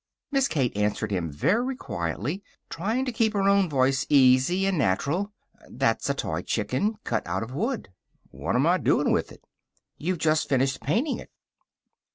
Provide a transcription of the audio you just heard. Miss Kate answered him very quietly, trying to keep her own voice easy and natural. "That's a toy chicken, cut out of wood." "What'm I doin' with it?" "You've just finished painting it."